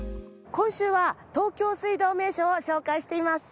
今週は東京水道名所を紹介しています。